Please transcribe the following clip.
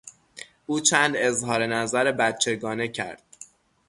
او چند اظهار نظر بچگانه کرد.